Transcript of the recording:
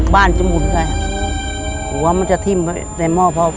บ้านจะหมุนค่ะกลัวว่ามันจะทิ้มในหม้อพอรู้